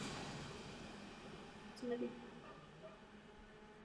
Na střední škole Sheldon High School hrál americký fotbal.